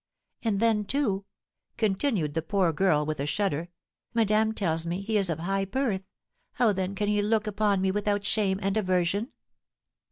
And then, too," continued the poor girl, with a shudder, "madame tells me he is of high birth; how, then, can he look upon me without shame and aversion?"